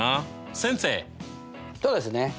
そうですね。